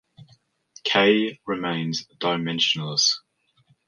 "K" remains dimensionless.